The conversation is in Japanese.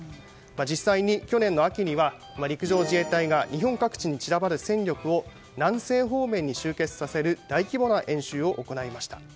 実際に去年の秋には陸上自衛隊が日本各地に散らばる戦力を南西方面に集結させる大規模な演習を行いました。